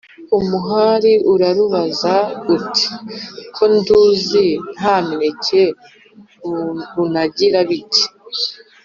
Umuhari urarubaza uti « ko nduzi nta mineke unagira bite ?